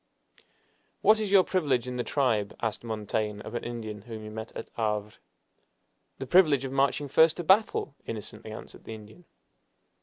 "What is your privilege in the tribe?" asked Montaigne of an Indian whom he met at Havre. "The privilege of marching first to battle!" innocently answered the Indian.